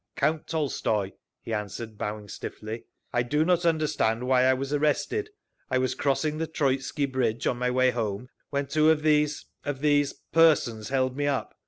"Count Tolstoy," he answered, bowing stiffly. "I do not understand why I was arrested. I was crossing the Troitsky Bridge on my way home when two of these—of these—persons held me up.